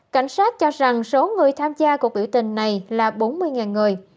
cảnh sát cho rằng số người tham gia cuộc biểu tình này là bốn mươi người